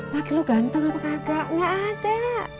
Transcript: pak lo ganteng apa kagak gak ada